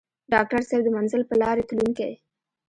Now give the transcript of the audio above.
ډاکټر صېب د منزل پۀ لارې تلونکے